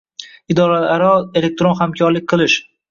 idoralararo elektron hamkorlik qilish